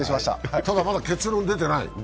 ただ、まだ結論出てない。